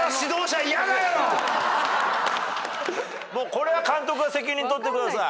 これは監督が責任取ってください。